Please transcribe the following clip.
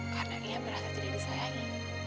karena dia merasa tidak disayangi